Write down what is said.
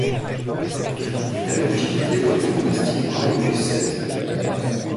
L'évêque est à l'origine du développement monastique dans le diocèse.